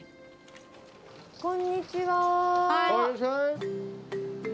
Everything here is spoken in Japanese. こんにちは。